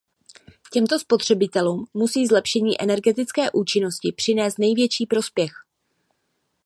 Těmto spotřebitelům musí zlepšení energetické účinnosti přinést největší prospěch.